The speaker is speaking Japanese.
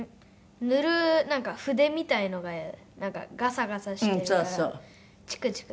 塗る筆みたいのがなんかガサガサしてるからチクチク。